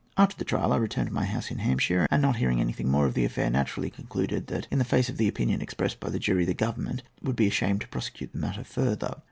"After the trial I returned to my house in Hampshire, and not hearing anything more of the affair, naturally concluded that, in the face of the opinion expressed by the jury, the Government would be ashamed to prosecute the matter further.